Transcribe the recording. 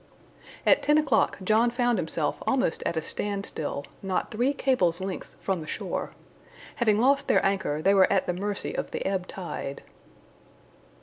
At ten o'clock John found himself almost at a stand still, not three cables' lengths from the shore. Having lost their anchor, they were at the mercy of the ebb tide.